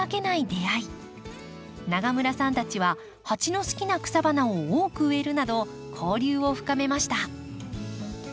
永村さんたちはハチの好きな草花を多く植えるなど交流を深めました。